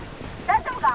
「大丈夫か？」。